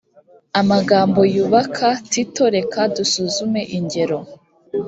amagambo yubaka tito reka dusuzume ingero